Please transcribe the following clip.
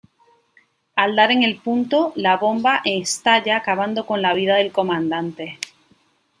Al dar en el punto la bomba estalla acabando con la vida del comandante.